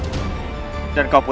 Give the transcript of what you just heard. hei pak jati